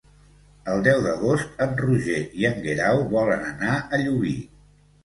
El deu d'agost en Roger i en Guerau volen anar a Llubí.